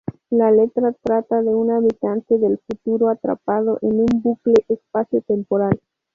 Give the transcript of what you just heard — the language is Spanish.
La letra trata de un habitante del futuro atrapado en un bucle espacio-temporal.